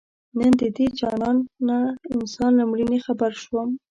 نن د دې جانانه انسان له مړیني خبر شوم